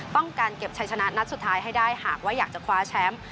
ต้องการเก็บชัยชนะนัดสุดท้ายให้ได้หากว่าอยากจะคว้าแชมป์